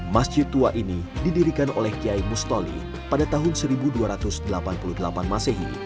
masjid tua ini didirikan oleh kiai mustoli pada tahun seribu dua ratus delapan puluh delapan masehi